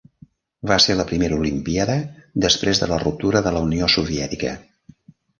Va ser la primera Olimpíada després de la ruptura de la Unió Soviètica.